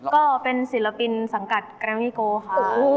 ก็เป็นศิลปินสังกัดแกรมมี่โกค่ะ